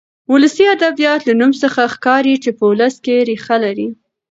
ولسي ادبيات له نوم څخه ښکاري چې په ولس کې ريښه لري.